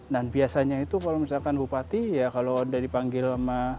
dan biasanya itu kalau misalkan bupati ya kalau udah dipanggil sama